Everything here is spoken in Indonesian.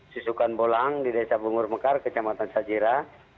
sisukan bolang di desa bungur mekar kejamatan sajira